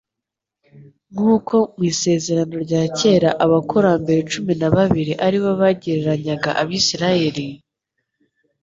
Nkuko mu Isezerano rya kera abakurambere cumi na babiri ari bo bagereranyaga abisiraeli,